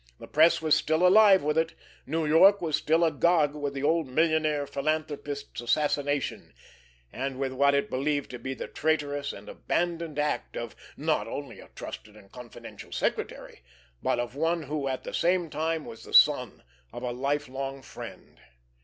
The press was still alive with it, New York was still agog with the old millionaire philanthropist's assassination, and with what it believed to be the traitorous and abandoned act of, not only a trusted and confidential secretary, but of one who at the same time was the son of a lifelong friend.